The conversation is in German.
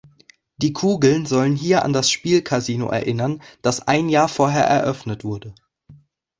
Die Kugeln sollen hier an das Spielkasino erinnern, das ein Jahr vorher eröffnet wurde.